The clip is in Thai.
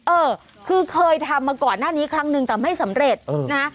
เออคือเคยทำมาก่อนหน้านี้ครั้งนึงแต่ไม่สำเร็จนะฮะ